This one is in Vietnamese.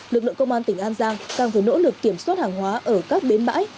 lực lượng công an tỉnh an giang càng phải nỗ lực kiểm soát hàng hóa ở các bến bãi